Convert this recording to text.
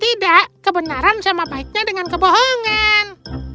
tidak kebenaran sama baiknya dengan kebohongan